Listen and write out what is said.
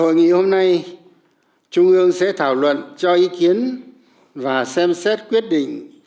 hội nghị hôm nay trung ương sẽ thảo luận cho ý kiến và xem xét quyết định